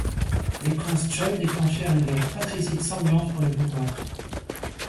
Les princes Zhou déclenchèrent une guerre fratricide sanglante pour le pouvoir.